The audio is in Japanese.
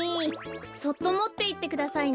そっともっていってくださいね。